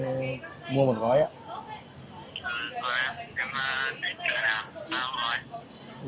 ừ rồi em em đến chỗ nào hào thôi